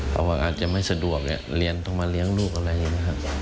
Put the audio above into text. เขาว่าอาจจะไม่สะดวกเรียนต้องมาเลี้ยงลูกอะไรอย่างนี้